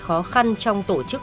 khó khăn trong tổ chức